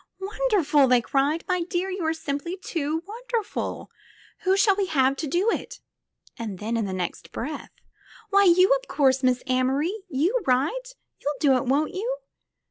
"Wonderful!" they cried. "My dear, you are simply too wonderful! Who shall we have to do it?" And then in the next breath : "Why, you, of course. Miss Amory! You write. Youll do it, won't you?"